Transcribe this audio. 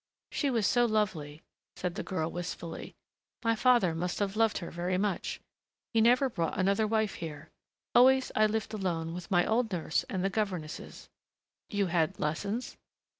She was so lovely," said the girl wistfully. "My father must have loved her very much ... he never brought another wife here. Always I lived alone with my old nurse and the governesses " "You had lessons?"